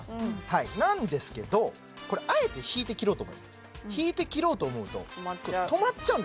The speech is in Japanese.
はいなんですけどこれあえて引いて切ろうと思います引いて切ろうと思うと止まっちゃう